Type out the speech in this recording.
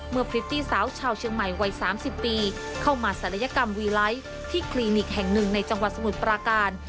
พริตตี้สาวชาวเชียงใหม่วัย๓๐ปีเข้ามาศัลยกรรมวีไลท์ที่คลินิกแห่งหนึ่งในจังหวัดสมุทรปราการ